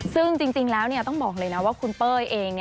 ซึ่งจริงแล้วต้องบอกเลยนะว่าคุณเป้ยเอง